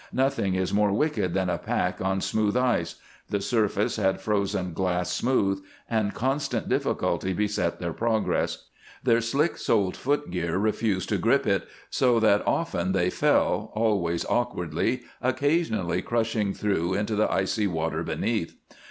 Nothing is more wicked than a pack on smooth ice. The surface had frozen glass smooth, and constant difficulty beset their progress. Their slick soled footgear refused to grip it, so that often they fell, always awkwardly, occasionally crushing through into the icy water beneath.